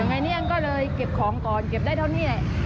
ไงเนี่ยก็เลยเก็บของก่อนเก็บได้เท่านี้แหละ